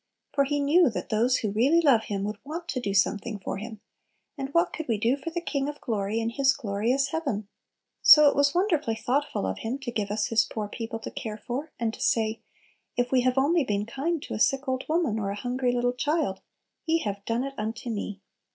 For He knew that those who really love Him would want to do something for Him, and what could we do for the King of glory in His glorious heaven? So it was wonderfully thoughtful of Him to give us His poor people to care for, and to say, if we have only been kind to a sick old woman or hungry little child, "Ye have done it unto me!"